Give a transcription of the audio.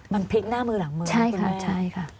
มันพลิกหน้ามือหลังมือครับคุณแม่ใช่ค่ะ